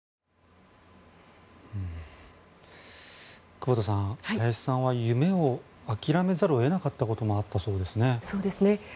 久保田さん、早志さんは夢を諦めざるを得なかったこともあったそうですね。